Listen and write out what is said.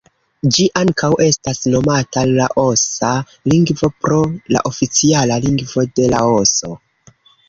Ĝi ankaŭ estas nomata laosa lingvo pro la oficiala lingvo de Laoso.